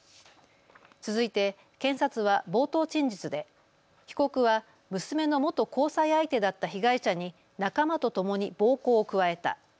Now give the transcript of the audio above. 続いて検察は冒頭陳述で被告は娘の元交際相手だった被害者に仲間とともに暴行を加えた。